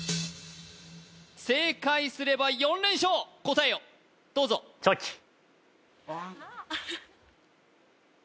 正解すれば４連勝答えをどうぞああ！